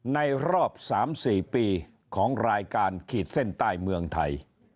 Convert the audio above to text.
ในรอบ๓๔ปีของรายการขีดเส้นใต้เมืองไทย